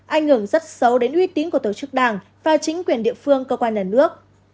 ảnh hưởng rất xấu đến uy tín của tổ chức đảng và chính quyền địa phương cơ quan nhà nước